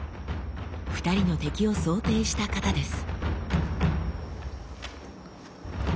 ２人の敵を想定した形です。